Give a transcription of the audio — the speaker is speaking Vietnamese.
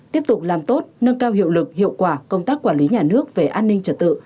tiếp tục làm tốt nâng cao hiệu lực hiệu quả công tác quản lý nhà nước về an ninh trật tự